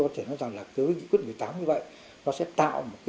trong thời gian tới